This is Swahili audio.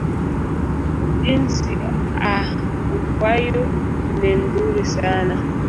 Juisi a ukwayu ni ndhuri sana